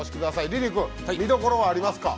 リリー君、見どころはありますか。